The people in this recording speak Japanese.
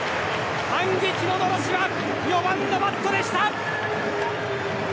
反撃ののろしは４番のバットでした！